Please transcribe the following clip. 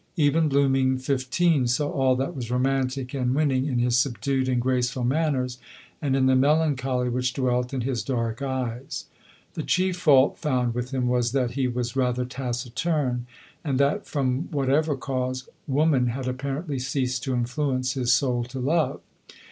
Even bloom ing fifteen saw all that was romantic and win ning in his subdued and graceful manners, and <J4 LODORE. in the melancholy which dwelt in his dark eyes. The chief fault found with him was, that he was rather taciturn, and that, from whatever cause, woman had apparently ceased to influence his soul to love.